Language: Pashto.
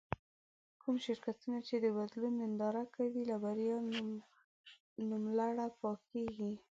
کوم شرکتونه چې د بدلون ننداره کوي له بريا نوملړه پاکېږي.